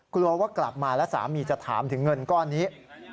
กลัวว่ากลับมาแล้วสามีจะถามถึงเงินก้อนนี้